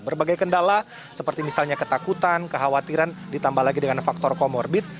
berbagai kendala seperti misalnya ketakutan kekhawatiran ditambah lagi dengan faktor comorbid